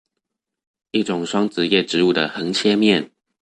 一種雙子葉植物的橫切面